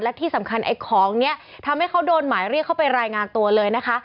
และที่สำคัญไอ้ของนี้ทำให้เขาโดนหมายเรียกเข้าไปรายงานตัวเลยนะคะ